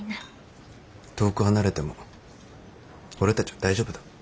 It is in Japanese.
遠く離れても俺たちは大丈夫だ。